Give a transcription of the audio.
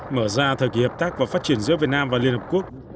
mở ra thời kỳ hợp tác và phát triển giữa việt nam và liên hợp quốc